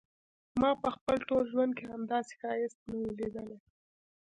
ما په خپل ټول ژوند کې همداسي ښایست نه و ليدلی.